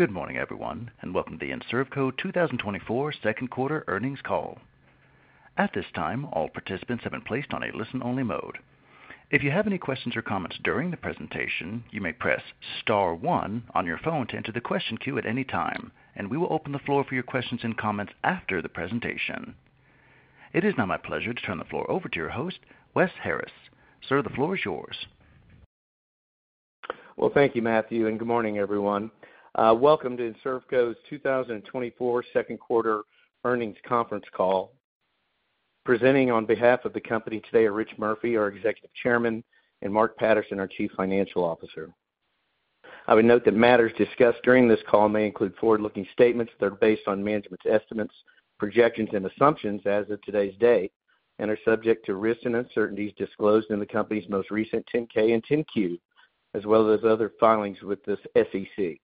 Good morning, everyone, and welcome to the Enservco 2024 second quarter earnings call. At this time, all participants have been placed on a listen-only mode. If you have any questions or comments during the presentation, you may press star one on your phone to enter the question queue at any time, and we will open the floor for your questions and comments after the presentation. It is now my pleasure to turn the floor over to your host, Wes Harris. Sir, the floor is yours. Well, thank you, Matthew, and good morning, everyone. Welcome to Enservco's 2024 second quarter earnings conference call. Presenting on behalf of the company today are Rich Murphy, our Executive Chairman, and Mark Patterson, our Chief Financial Officer. I would note that matters discussed during this call may include forward-looking statements that are based on management's estimates, projections, and assumptions as of today's date and are subject to risks and uncertainties disclosed in the company's most recent 10-K and 10-Q, as well as other filings with the SEC.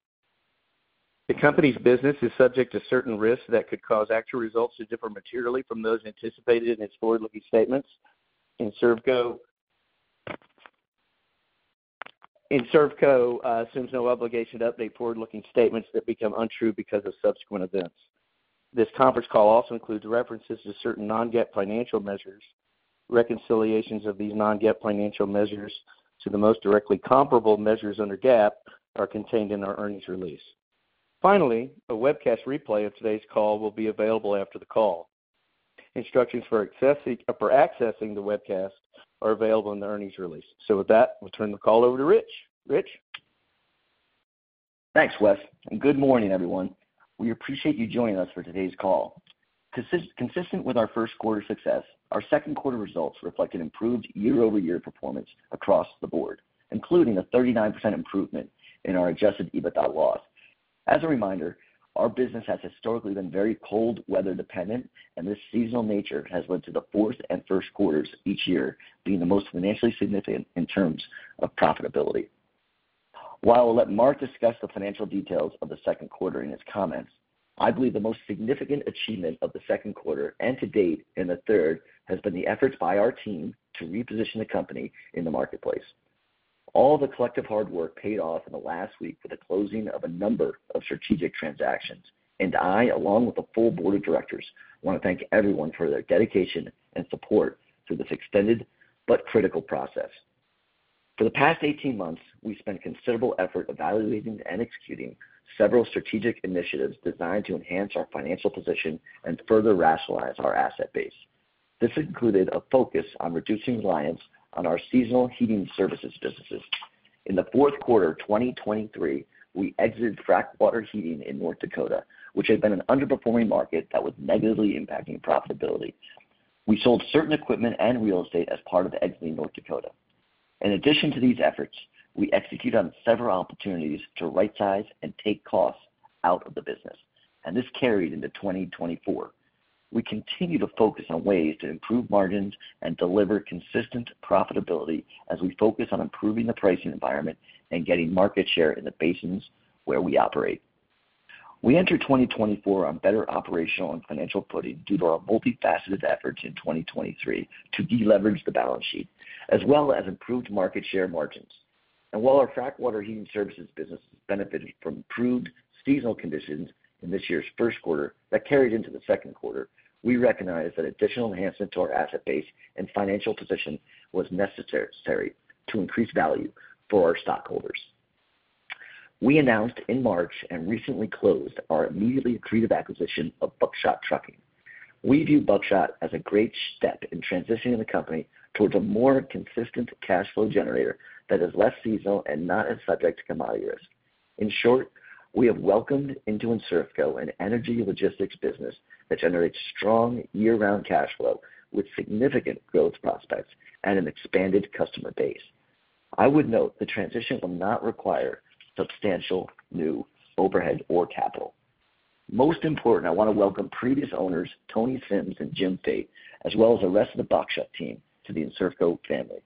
The company's business is subject to certain risks that could cause actual results to differ materially from those anticipated in its forward-looking statements. Enservco assumes no obligation to update forward-looking statements that become untrue because of subsequent events. This conference call also includes references to certain non-GAAP financial measures. Reconciliations of these non-GAAP financial measures to the most directly comparable measures under GAAP are contained in our earnings release. Finally, a webcast replay of today's call will be available after the call. Instructions for accessing the webcast are available in the earnings release. So with that, we'll turn the call over to Rich. Rich? Thanks, Wes, and good morning, everyone. We appreciate you joining us for today's call. Consistent with our first quarter success, our second quarter results reflect an improved year-over-year performance across the board, including a 39% improvement in our Adjusted EBITDA loss. As a reminder, our business has historically been very cold weather dependent, and this seasonal nature has led to the fourth and first quarters each year being the most financially significant in terms of profitability. While I'll let Mark discuss the financial details of the second quarter in his comments, I believe the most significant achievement of the second quarter and to date in the third, has been the efforts by our team to reposition the company in the marketplace. All the collective hard work paid off in the last week with the closing of a number of strategic transactions, and I, along with the full board of directors, want to thank everyone for their dedication and support through this extended but critical process. For the past 18 months, we spent considerable effort evaluating and executing several strategic initiatives designed to enhance our financial position and further rationalize our asset base. This included a focus on reducing reliance on our seasonal heating services businesses. In the fourth quarter of 2023, we exited frac water heating in North Dakota, which had been an underperforming market that was negatively impacting profitability. We sold certain equipment and real estate as part of the exiting North Dakota. In addition to these efforts, we executed on several opportunities to rightsize and take costs out of the business, and this carried into 2024. We continue to focus on ways to improve margins and deliver consistent profitability as we focus on improving the pricing environment and getting market share in the basins where we operate. We entered 2024 on better operational and financial footing due to our multifaceted efforts in 2023 to deleverage the balance sheet, as well as improved market share margins. While our frac water heating services business benefited from improved seasonal conditions in this year's first quarter, that carried into the second quarter, we recognize that additional enhancement to our asset base and financial position was necessary, necessary to increase value for our stockholders. We announced in March and recently closed our immediately accretive acquisition of Buckshot Trucking. We view Buckshot as a great step in transitioning the company towards a more consistent cash flow generator that is less seasonal and not as subject to commodity risk. In short, we have welcomed into Enservco an energy logistics business that generates strong year-round cash flow with significant growth prospects and an expanded customer base. I would note the transition will not require substantial new overhead or capital. Most important, I want to welcome previous owners, Tony Sims and Jim Thate, as well as the rest of the Buckshot team, to the Enservco family.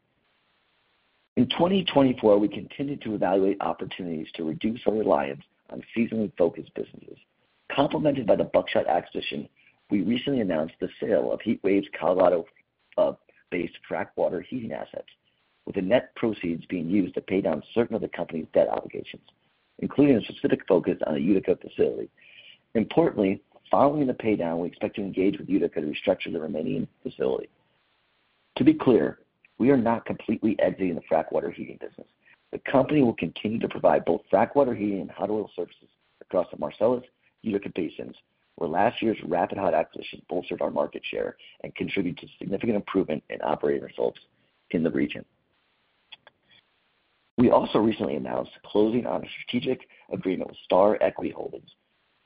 In 2024, we continued to evaluate opportunities to reduce our reliance on seasonally focused businesses. Complemented by the Buckshot acquisition, we recently announced the sale of Heat Waves' Colorado-based frac water heating assets, with the net proceeds being used to pay down certain of the company's debt obligations, including a specific focus on the Utica facility. Importantly, following the paydown, we expect to engage with Utica to restructure the remaining facility. To be clear, we are not completely exiting the frac water heating business. The company will continue to provide both frac water heating and hot oil services across the Marcellus-Utica basins, where last year's Rapid Hot acquisition bolstered our market share and contributed to significant improvement in operating results in the region. We also recently announced closing on a strategic agreement with Star Equity Holdings,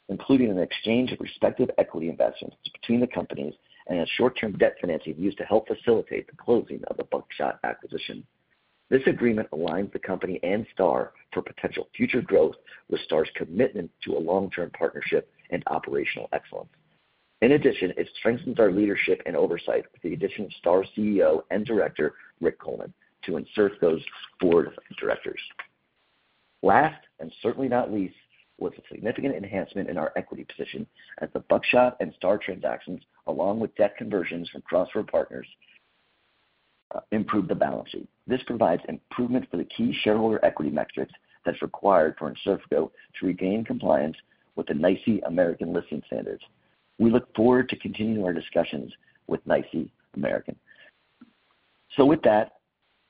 including an exchange of respective equity investments between the companies and a short-term debt financing used to help facilitate the closing of the Buckshot acquisition. This agreement aligns the company and Star for potential future growth, with Star's commitment to a long-term partnership and operational excellence. In addition, it strengthens our leadership and oversight with the addition of Star's CEO and director, Rick Coleman, to Enservco's board of directors. Last, and certainly not least, was a significant enhancement in our equity position as the Buckshot and Star transactions, along with debt conversions from Cross River Partners improve the balance sheet. This provides improvement for the key shareholder equity metrics that's required for Enservco to regain compliance with the NYSE American listing standards. We look forward to continuing our discussions with NYSE American. So with that,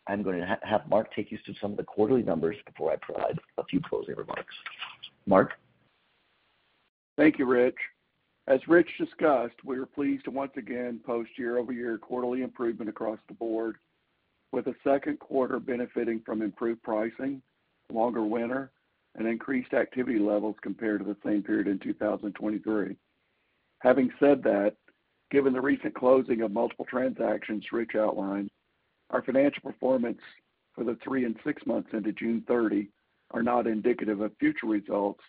I'm gonna have Mark take you through some of the quarterly numbers before I provide a few closing remarks. Mark? Thank you, Rich. As Rich discussed, we are pleased to once again post year-over-year quarterly improvement across the board, with the second quarter benefiting from improved pricing, longer winter, and increased activity levels compared to the same period in 2023. Having said that, given the recent closing of multiple transactions Rich outlined, our financial performance for the three and six months into 30 June are not indicative of future results,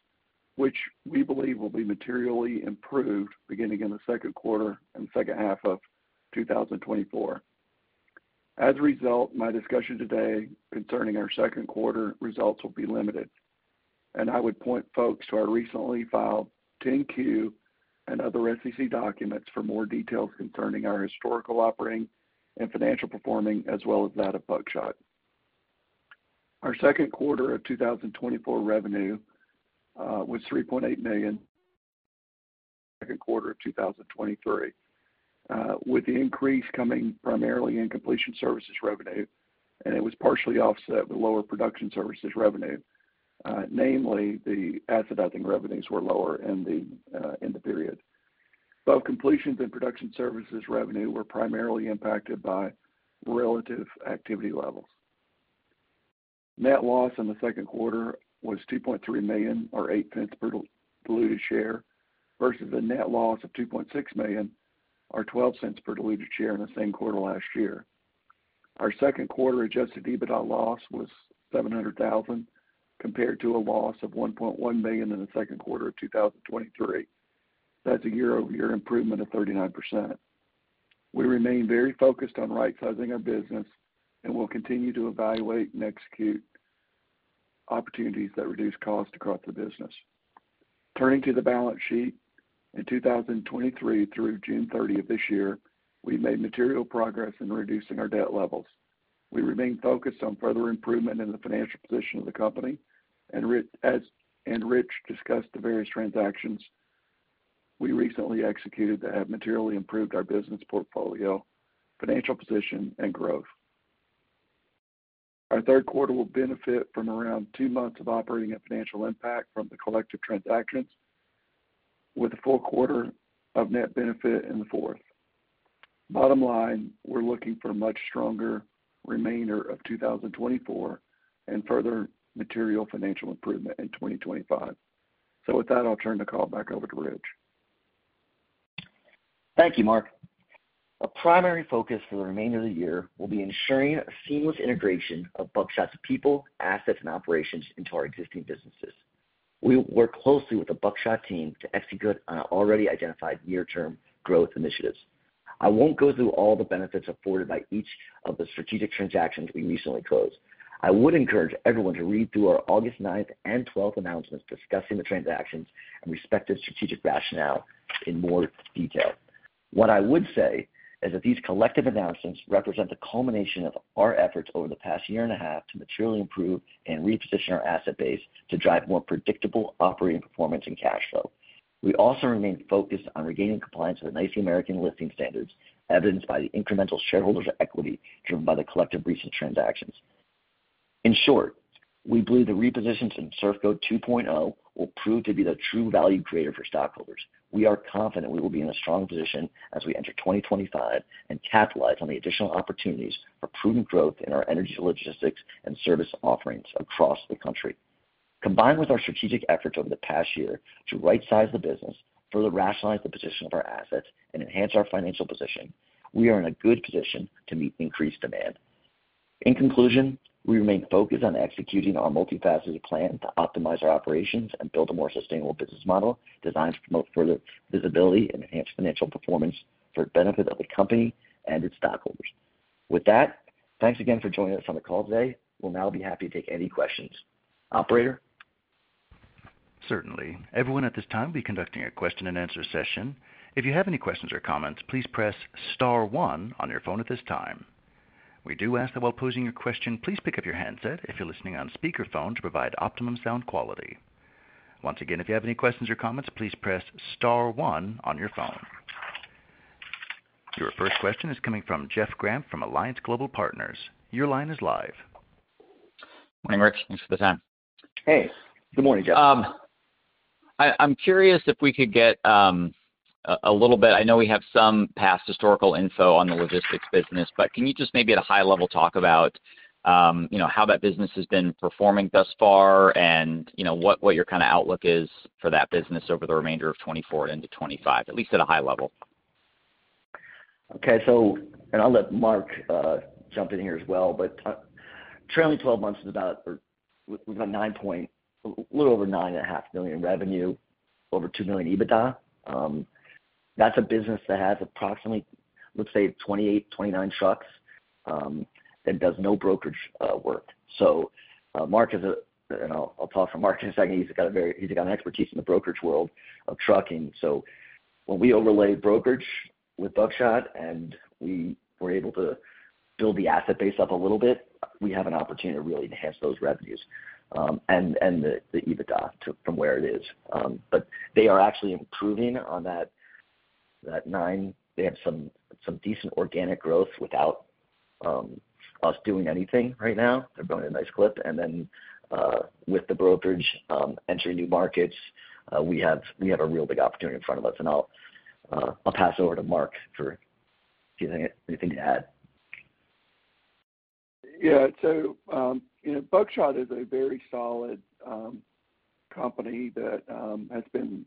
which we believe will be materially improved beginning in the second quarter and second half of 2024. As a result, my discussion today concerning our second quarter results will be limited, and I would point folks to our recently filed 10-Q and other SEC documents for more details concerning our historical operating and financial performance, as well as that of Buckshot. Our second quarter of 2024 revenue was $3.8 million, second quarter of 2023, with the increase coming primarily in completion services revenue, and it was partially offset with lower production services revenue, namely, the acidizing revenues were lower in the period. Both completions and production services revenue were primarily impacted by relative activity levels. Net loss in the second quarter was $2.3 million, or $0.08 per diluted share, versus a net loss of $2.6 million, or $0.12 per diluted share in the same quarter last year. Our second quarter Adjusted EBITDA loss was $700,000, compared to a loss of $1.1 million in the second quarter of 2023. That's a year-over-year improvement of 39%. We remain very focused on right-sizing our business and will continue to evaluate and execute opportunities that reduce costs across the business. Turning to the balance sheet, in 2023 through 30 June of this year, we made material progress in reducing our debt levels. We remain focused on further improvement in the financial position of the company, and Rich discussed the various transactions we recently executed that have materially improved our business portfolio, financial position, and growth. Our third quarter will benefit from around 2 months of operating and financial impact from the collective transactions, with a full quarter of net benefit in the fourth. Bottom line, we're looking for a much stronger remainder of 2024 and further material financial improvement in 2025. So with that, I'll turn the call back over to Rich. Thank you, Mark. A primary focus for the remainder of the year will be ensuring a seamless integration of Buckshot's people, assets, and operations into our existing businesses. We will work closely with the Buckshot team to execute on our already identified near-term growth initiatives. I won't go through all the benefits afforded by each of the strategic transactions we recently closed. I would encourage everyone to read through our 9th and 12th August announcements discussing the transactions and respective strategic rationale in more detail. What I would say is that these collective announcements represent the culmination of our efforts over the past year and a half to materially improve and reposition our asset base to drive more predictable operating performance and cash flow. We also remain focused on regaining compliance with the NYSE American listing standards, evidenced by the incremental shareholders' equity driven by the collective recent transactions. In short, we believe the repositioned Enservco 2.0 will prove to be the true value creator for stockholders. We are confident we will be in a strong position as we enter 2025 and capitalize on the additional opportunities for prudent growth in our energy, logistics, and service offerings across the country. Combined with our strategic efforts over the past year to rightsize the business, further rationalize the position of our assets, and enhance our financial position, we are in a good position to meet increased demand. In conclusion, we remain focused on executing our multifaceted plan to optimize our operations and build a more sustainable business model designed to promote further visibility and enhance financial performance for the benefit of the company and its stockholders. With that, thanks again for joining us on the call today. We'll now be happy to take any questions. Operator? Certainly. Everyone at this time, we'll be conducting a question-and-answer session. If you have any questions or comments, please press star one on your phone at this time. We do ask that while posing your question, please pick up your handset if you're listening on speakerphone to provide optimum sound quality. Once again, if you have any questions or comments, please press star one on your phone. Your first question is coming from Jeff Gramp from Alliance Global Partners. Your line is live. Good morning, Rich. Thanks for the time. Hey, good morning, Jeff. I'm curious if we could get a little bit. I know we have some past historical info on the logistics business, but can you just maybe at a high level talk about, you know, how that business has been performing thus far, and you know, what your kinda outlook is for that business over the remainder of 2024 into 2025, at least at a high level? Okay, so. And I'll let Mark jump in here as well, but, trailing twelve months is about, or we've got a little over $9.5 million revenue, over $2 million EBITDA. That's a business that has approximately, let's say, 28-29 trucks, and does no brokerage work. So, Mark is a and I'll talk for Mark in a second. He's got an expertise in the brokerage world of trucking, so. When we overlay brokerage with Buckshot and we were able to build the asset base up a little bit, we have an opportunity to really enhance those revenues, and the EBITDA from where it is. But they are actually improving on that nine. They have some decent organic growth without us doing anything right now. They're growing at a nice clip. And then, with the brokerage entering new markets, we have, we have a real big opportunity in front of us, and I'll, I'll pass over to Mark for, do you have anything to add? Yeah. So, you know, Buckshot is a very solid company that has been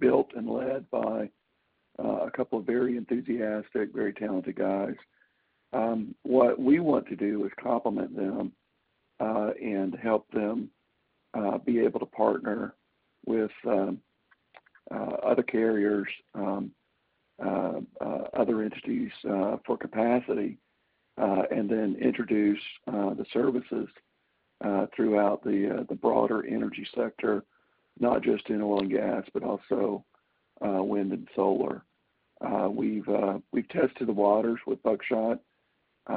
built and led by a couple of very enthusiastic, very talented guys. What we want to do is complement them and help them be able to partner with other carriers, other entities for capacity, and then introduce the services throughout the broader energy sector, not just in oil and gas, but also wind and solar. We've tested the waters with Buckshot.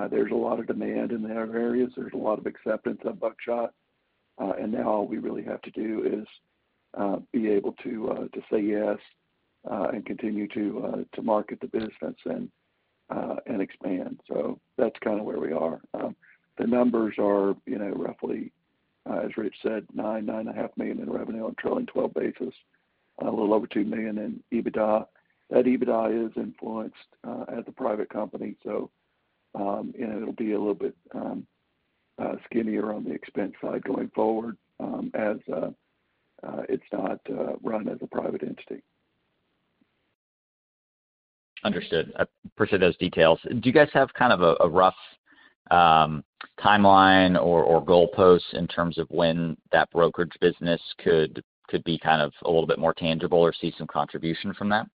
There's a lot of demand in their areas. There's a lot of acceptance of Buckshot, and now all we really have to do is be able to say yes and continue to market the business and expand. So that's kind of where we are. The numbers are, you know, roughly, as Rich said, $9-9.5 million in revenue on trailing twelve basis, a little over $2 million in EBITDA. That EBITDA is influenced at the private company, so, you know, it'll be a little bit skinnier on the expense side going forward, as it's not run as a private entity. Understood. I appreciate those details. Do you guys have kind of a rough timeline or goalpost in terms of when that brokerage business could be kind of a little bit more tangible or see some contribution from that?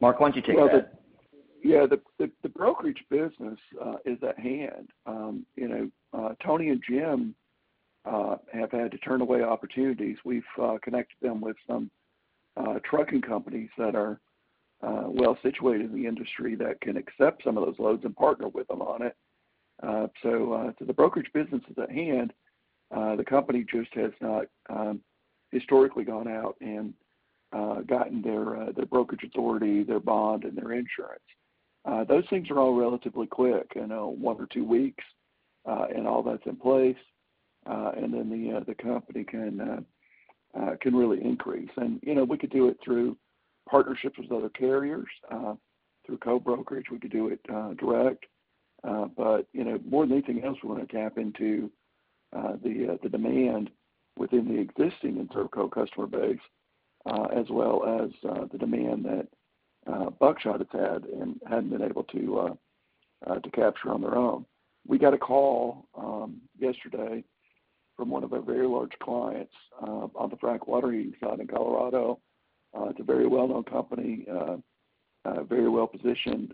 Mark, why don't you take that? Yeah. The brokerage business is at hand. You know, Tony and Jim have had to turn away opportunities. We've connected them with some trucking companies that are well situated in the industry that can accept some of those loads and partner with them on it. So the brokerage business is at hand. The company just has not historically gone out and gotten their brokerage authority, their bond and their insurance. Those things are all relatively quick, you know, one or two weeks, and all that's in place, and then the company can really increase. And, you know, we could do it through partnerships with other carriers through co-brokerage. We could do it direct, but you know, more than anything else, we want to tap into the demand within the existing Enservco customer base, as well as the demand that Buckshot has had and hadn't been able to to capture on their own. We got a call yesterday from one of our very large clients on the frac watering side in Colorado. It's a very well-known company, very well positioned.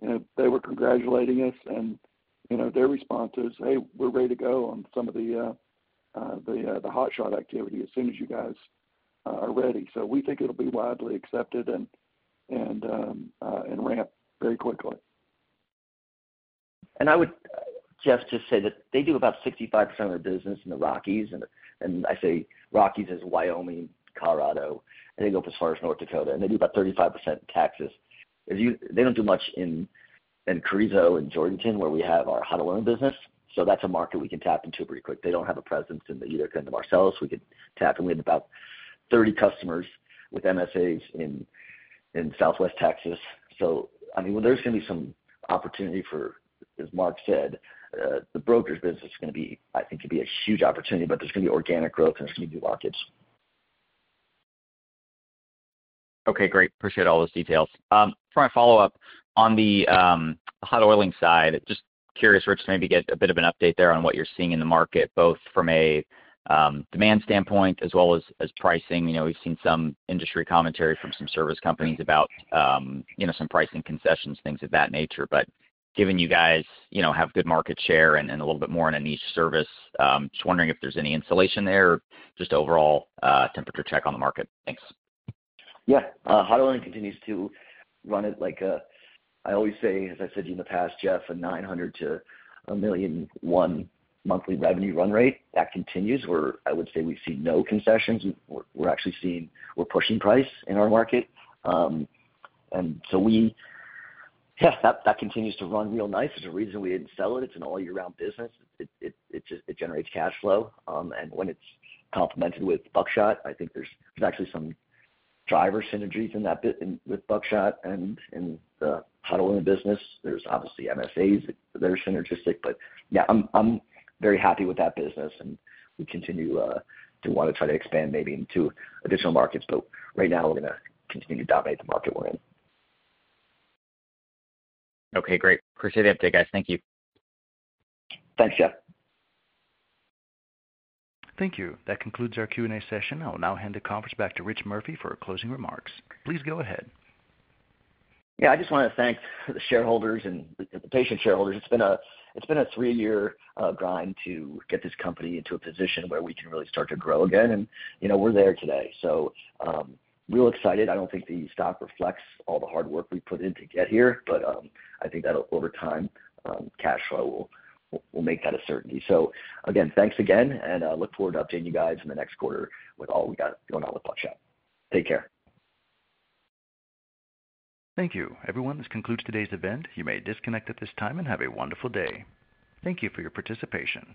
You know, they were congratulating us, and you know, their response is, "Hey, we're ready to go on some of the hotshot activity as soon as you guys are ready." So we think it'll be widely accepted and ramp very quickly. I would just say that they do about 65% of the business in the Rockies, and I say Rockies as Wyoming, Colorado, and they go up as far as North Dakota, and they do about 35% in Texas. They don't do much in Carrizo and Georgetown, where we have our hot oiling business, so that's a market we can tap into pretty quick. They don't have a presence in either the Marcellus we could tap, and we had about 30 customers with MSAs in Southwest Texas. So, I mean, there's gonna be some opportunity for, as Mark said, the brokerage business is gonna be, I think, could be a huge opportunity, but there's gonna be organic growth and there's gonna be blockages. Okay, great. Appreciate all those details. For my follow-up, on the hot oiling side, just curious, Rich, maybe get a bit of an update there on what you're seeing in the market, both from a demand standpoint as well as pricing. You know, we've seen some industry commentary from some service companies about, you know, some pricing concessions, things of that nature. But given you guys, you know, have good market share and a little bit more in a niche service, just wondering if there's any installation there, just overall temperature check on the market. Thanks. Yeah. Hot oiling continues to run it like a... I always say, as I said you in the past, Jeff, a $900,000-1,001,000 monthly revenue run rate. That continues, where I would say we've seen no concessions. We're, we're actually seeing we're pushing price in our market. And so we, Yeah, that, that continues to run real nice. There's a reason we didn't sell it. It's an all year round business. It, it's just, it generates cash flow. And when it's complemented with Buckshot, I think there's, there's actually some driver synergies in that... with Buckshot and in the hot oiling business. There's obviously MSAs, they're synergistic. But yeah, I'm very happy with that business, and we continue to want to try to expand maybe into additional markets, but right now we're gonna continue to dominate the market we're in. Okay, great. Appreciate the update, guys. Thank you. Thanks, Jeff. Thank you. That concludes our Q&A session. I will now hand the conference back to Rich Murphy for closing remarks. Please go ahead. Yeah, I just wanna thank the shareholders and the patient shareholders. It's been a three-year grind to get this company into a position where we can really start to grow again, and, you know, we're there today. So, real excited. I don't think the stock reflects all the hard work we put in to get here, but, I think that over time, cash flow will make that a certainty. So again, thanks again, and I look forward to updating you guys in the next quarter with all we got going on with Buckshot. Take care. Thank you. Everyone, this concludes today's event. You may disconnect at this time and have a wonderful day. Thank you for your participation.